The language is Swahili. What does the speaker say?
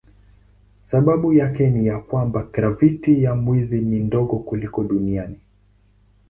Sababu yake ni ya kwamba graviti ya mwezi ni ndogo kuliko duniani.